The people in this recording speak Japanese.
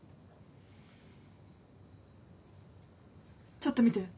ちょっと見て。